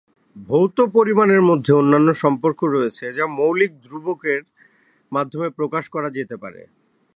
ভৌত পরিমাণের মধ্যে অন্যান্য সম্পর্ক রয়েছে যা মৌলিক ধ্রুবকের মাধ্যমে প্রকাশ করা যেতে পারে।